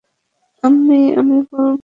আম্মি, আমি বলছি।